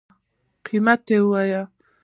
قیمت یی ووایه